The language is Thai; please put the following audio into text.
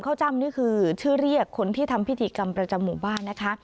จ้ำนี่คือชื่อเรียกคนที่ทำพิธีกรรมประจำหมู่บ้านนะคะ